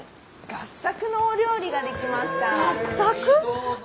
合作？